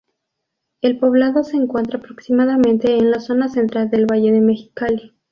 El poblado se encuentra aproximadamente en la zona central del valle de Mexicali.